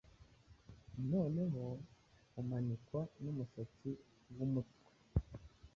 Noneho umanikwa numusatsi wumutwe